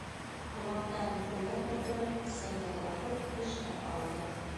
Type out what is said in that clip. Ҡолаҡтарын үрә торғоҙоп, сыңғырлатып кешнәп алды.